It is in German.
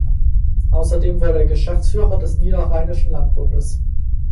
Außerdem wurde er Geschäftsführer des Niederrheinischen Landbundes.